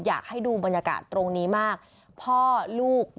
ถ้าหนูทำแบบนั้นพ่อจะไม่มีรับบายเจ้าให้หนูได้เอง